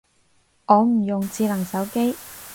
我唔用智能手機